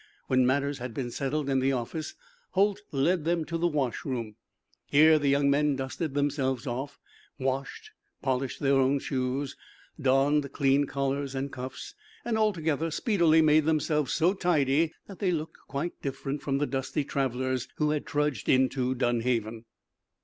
When matters had been settled in the office Holt led them to the wash room. Here the young men dusted themselves off, washed, polished their own shoes, donned clean collars and cuffs, and, altogether, speedily made themselves so tidy that they looked quite different from the dusty travelers who had trudged into Dunhaven.